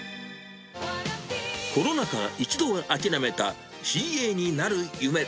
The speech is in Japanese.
コロナ禍、一度は諦めたＣＡになる夢。